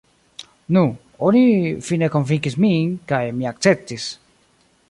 Nu, oni fine konvinkis min, kaj mi akceptis.